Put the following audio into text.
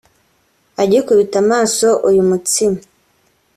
Agikubita amaso uyu mutsima